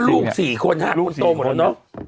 ลูก๔คนนะตัวหมดแล้วเนอะ